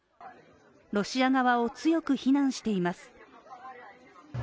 ロシア側を強く非難しています。